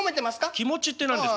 気持ちって何ですか？